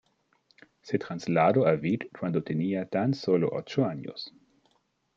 Se trasladó a Vic cuando tenía tan solo ocho años.